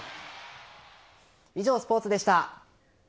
以上、スポーツでした。